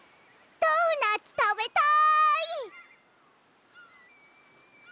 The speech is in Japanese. ドーナツたべたい！